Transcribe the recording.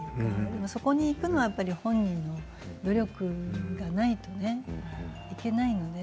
そこにいくのは本人の努力がないとねいけないので。